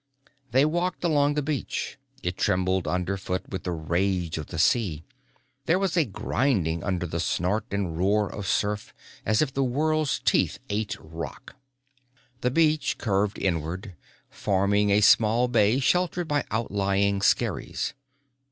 They walked along the beach. It trembled underfoot with the rage of the sea. There was a grinding under the snort and roar of surf as if the world's teeth ate rock. The beach curved inward, forming a small bay sheltered by outlying skerries.